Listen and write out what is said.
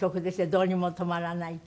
『どうにもとまらない』と。